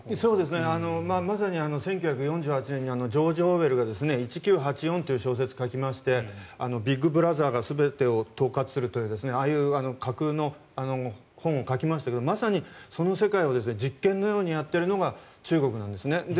まさに１９４８年にジョージ・オーウェルが「１９４８」という小説を書きましてビッグブラザーが全てを統括するという架空の本を書きましたけどその世界を実験のようにやっているのが中国なんです。